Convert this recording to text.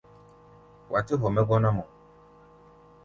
Wa tɛ́ hɔ mɛ́ gɔ́ná-mɔ.